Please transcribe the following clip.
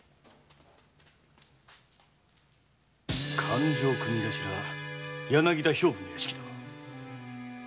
勘定組頭・柳田兵部の屋敷だ。